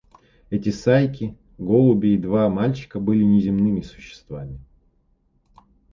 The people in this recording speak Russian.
Эти сайки, голуби и два мальчика были неземные существа.